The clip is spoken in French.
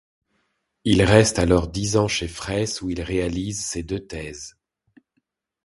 Il reste alors dix ans chez Fraisse où il réalise ses deux thèses.